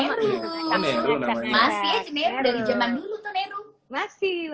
neru masih aja neru